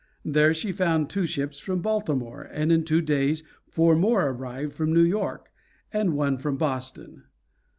There she found two ships from Baltimore, and in two days four more arrived from New York, and one from Boston.